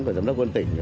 và giám đốc quân tỉnh